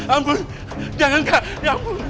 ampun jangan kak